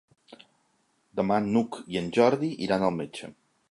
Demà n'Hug i en Jordi iran al metge.